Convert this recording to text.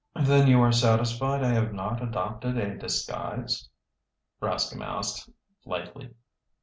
"Then you are satisfied I have not adopted a disguise?" Rascomb asked lightly.